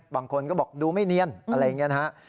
บางคนก็บอกดูไม่เนียนอะไรอย่างนี้นะฮะ